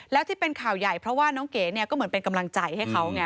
แล้วที่เป็นข่าวใหญ่เพราะว่าน้องเก๋เนี่ยก็เหมือนเป็นกำลังใจให้เขาไง